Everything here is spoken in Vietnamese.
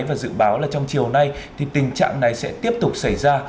và dự báo là trong chiều nay thì tình trạng này sẽ tiếp tục xảy ra